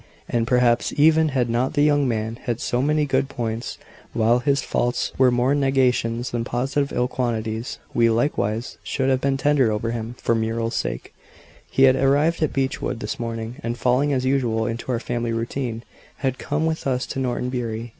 And perhaps even had not the young man had so many good points, while his faults were more negations than positive ill qualities, we likewise should have been tender over him for Muriel's sake. He had arrived at Beechwood this morning, and falling as usual into our family routine, had come with us to Norton Bury.